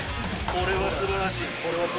これはすばらしい。